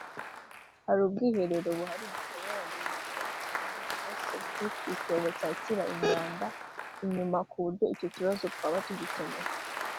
Hari ubwiherero buhari dushobora guhindura tukubaka ‘fosse septique’ (icyobo cyakira imyanda) inyuma kuburyo icyo kibazo twaba tugikemuye